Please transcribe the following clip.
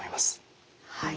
はい。